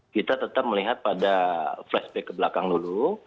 kita tetap melihat pada flashback kebelakang dulu